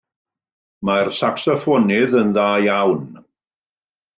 Mae'r sacsoffonydd yn dda iawn.